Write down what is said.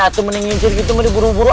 atau mending ngincir gitu mending buru buru